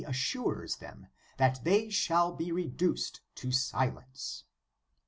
139 assures them that they shall be reduced to silence.